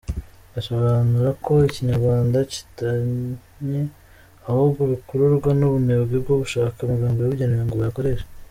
Asobanura ko Ikinyarwanda kidannye ahubwo bikururwa n’ubunebwe bwo gushaka amagambo yabugenewe ngo bayakoreshe.